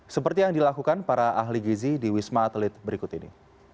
seperti yang dilakukan para ahli gizi di wisma atlet berikut ini